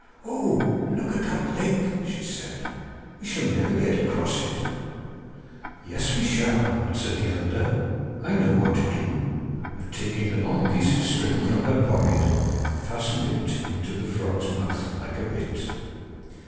'Oh! look at that lake!' she said, 'we shall never get across it.' 'Yes we shall,' answered the elder; 'I know what to do.' And taking a long piece of string from her pocket, fastened it into the frog's mouth, like a bit.